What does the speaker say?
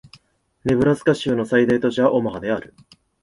ネブラスカ州の最大都市はオマハである